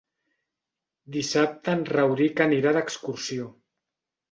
Dissabte en Rauric anirà d'excursió.